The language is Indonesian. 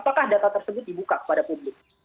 apakah data tersebut dibuka kepada publik